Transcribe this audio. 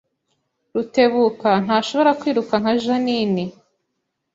Rutebuka ntashobora kwiruka nka Jeaninne